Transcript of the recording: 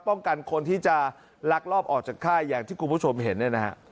ป้องกันคนที่จะลักลอบออกจากค่ายอย่างที่คุณผู้ชมเห็นนะฮะ